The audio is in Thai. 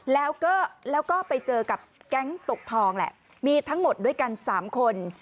แล้วก็ไปเจอกับแก๊งตกทองแหละมีทั้งหมดด้วยกัน๓คน